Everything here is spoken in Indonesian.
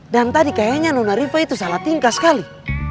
dan tadi kayaknya nona riva itu salah tingkah sekali